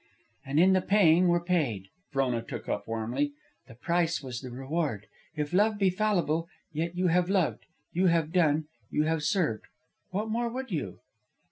"And in the paying were paid," Frona took up warmly. "The price was the reward. If love be fallible, yet you have loved; you have done, you have served. What more would you?"